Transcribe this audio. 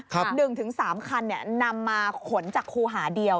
๑๓คันนำมาขนจากครูหาเดียว